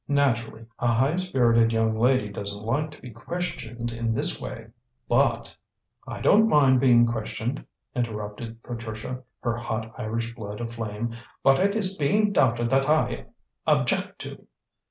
Naturally a high spirited young lady doesn't like to be questioned in this way, but " "I don't mind being questioned," interrupted Patricia, her hot Irish blood aflame. "But it is being doubted that I object to."